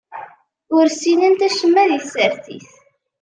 Ur ssinent acemma di tsertit.